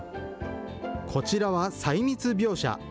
こちらは細密描写。